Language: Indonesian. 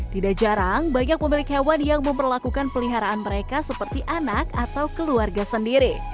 tidak jarang banyak pemilik hewan yang memperlakukan peliharaan mereka seperti anak atau keluarga sendiri